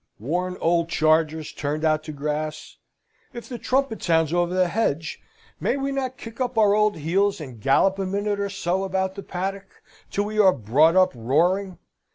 Worn old chargers turned out to grass, if the trumpet sounds over the hedge, may we not kick up our old heels, and gallop a minute or so about the paddock, till we are brought up roaring?